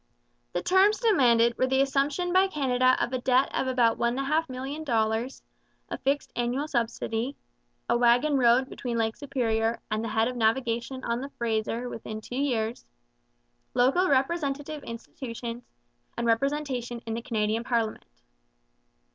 The terms demanded were the assumption by Canada of a debt of about $1,500,000, a fixed annual subsidy, a wagon road between Lake Superior and the head of navigation on the Fraser within two years, local representative institutions, and representation in the Canadian parliament.